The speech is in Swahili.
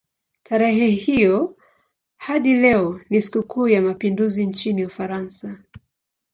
Tarehe hiyo hadi leo ni sikukuu ya mapinduzi nchini Ufaransa.